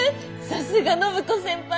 さすが暢子先輩！